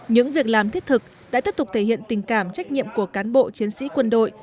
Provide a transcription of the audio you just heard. những việc làm thiết thực đã tiếp tục thể hiện tình cảm trách nhiệm của cán bộ chiến sĩ quân đội